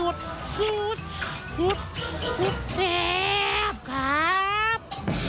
ดูดสุดสุดแดดครับ